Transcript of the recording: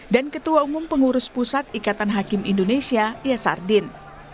dan ketua umum pengurus pusat ikatan hakim indonesia yasardin